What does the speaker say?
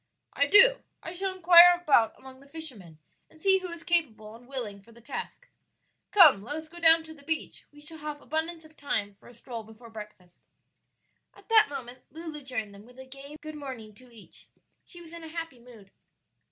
"I do; I shall inquire about among the fishermen and see who is capable and willing for the task. Come, let us go down to the beach; we shall have abundance of time for a stroll before breakfast." At that moment Lulu joined them with a gay good morning to each; she was in a happy mood.